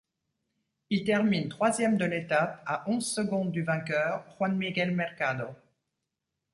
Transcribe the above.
Il termine troisième de l'étape à onze secondes du vainqueur Juan Miguel Mercado.